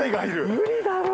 無理だろう。